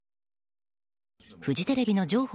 フジテレビの上法